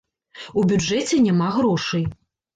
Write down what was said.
У бюджэце няма грошай.